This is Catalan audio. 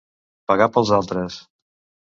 Pagar pels altres.